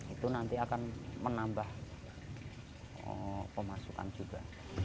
itu nanti akan menambah pemasukan juga